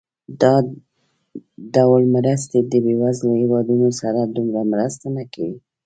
دا ډول مرستې د بېوزله هېوادونو سره دومره مرسته نه کوي.